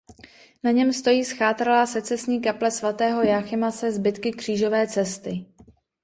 Na něm stojí zchátralá secesní kaple svatého Jáchyma se zbytky křížové cesty.